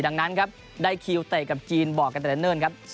ดังนั้นครับได้คิวเตะกับจีนบอกกันแต่เนิ่นครับ